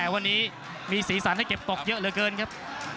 วันนี้มีสีสันให้เก็บตกเยอะเหลือเกินครับ